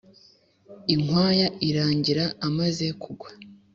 Inkwaya irangira amaze kugwa.